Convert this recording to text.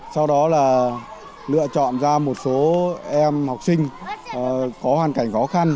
sau đó là lựa chọn ra một số em học sinh có hoàn cảnh khó khăn